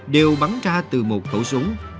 đều bắn ra từ một thổ súng